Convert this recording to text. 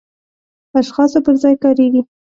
اشخاصو پر ځای کاریږي.